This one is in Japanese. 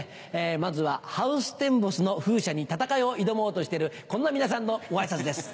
まずはハウステンボスの風車に戦いを挑もうとしてるこんな皆さんのご挨拶です。